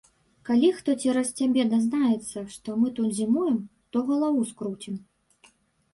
Калі хто цераз цябе дазнаецца, што мы тут зімуем, то галаву скруцім.